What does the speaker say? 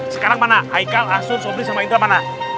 sekarang mana aikal asun sabri sama indra mana